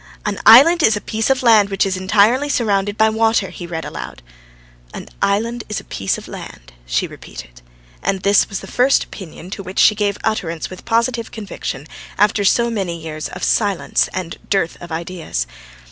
"'An island is a piece of land which is entirely surrounded by water,'" he read aloud. "An island is a piece of land," she repeated, and this was the first opinion to which she gave utterance with positive conviction after so many years of silence and dearth of ideas.